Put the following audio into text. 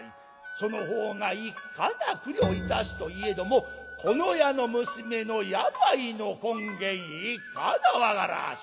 そのほうがいかな苦慮いたすといえどもこの家の娘の病の根源いかな分からず。